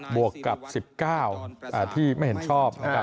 บวกกับ๑๙ที่ไม่เห็นชอบ